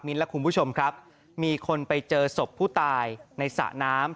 และคุณผู้ชมครับมีคนไปเจอศพผู้ตายในสระน้ำ